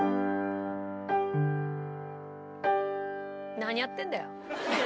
何やってんだよ！